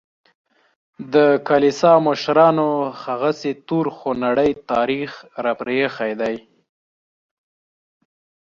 د کلیسا مشرانو هغسې تور خونړی تاریخ راپرېښی دی.